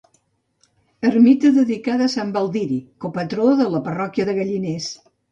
Ermita dedicada a Sant Baldiri, copatró de la parròquia de Galliners.